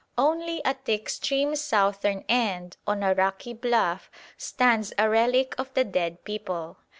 Only at the extreme southern end on a rocky bluff stands a relic of the dead people.